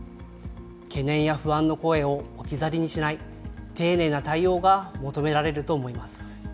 懸念や不安の声を置き去りにしない、丁寧な対応が求められると思います。